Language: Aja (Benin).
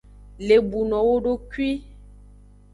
Lebuno wodokwi.